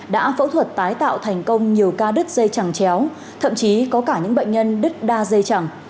đã phẫu thuật tái tạo thành công nhiều ca đứt dây chẳng chéo thậm chí có cả những bệnh nhân đứt đa dây chẳng